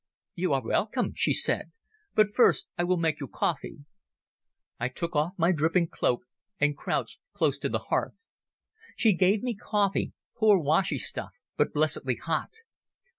"You are welcome," she said; "but first I will make you coffee." I took off my dripping cloak, and crouched close to the hearth. She gave me coffee—poor washy stuff, but blessedly hot.